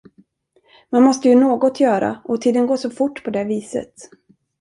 Man måste ju något göra, och tiden går så fort på det viset.